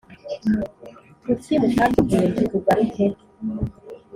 Kuki mutatubwiye ngo tugaruke